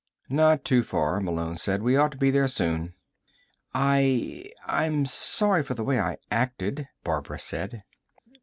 "Not too far," Malone said. "We ought to be there soon." "I ... I'm sorry for the way I acted," Barbara said.